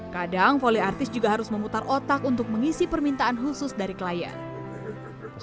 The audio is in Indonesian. kadang poliartis juga harus memutar otak untuk mengisi permintaan khusus dari klien